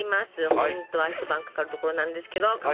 本当は一晩かかるところなんですけどかまどのチカラで。